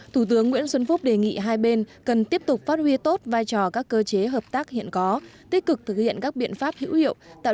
thủ tướng nguyễn xuân phúc đề nghị hai bên cần tiếp tục phát huy tốt vai trò các cơ chế hợp tác hiện có tích cực thực hiện các biện pháp hữu hiệu